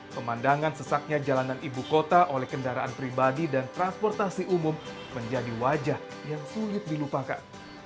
pemandangan sesaknya jalanan ibu kota oleh kendaraan pribadi dan transportasi umum menjadi wajah yang sulit dilupakan